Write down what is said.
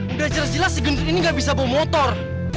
udah jelas jelas si gender ini nggak bisa bawa motor